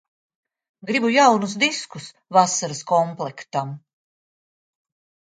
Gribu jaunus diskus vasaras komplektam.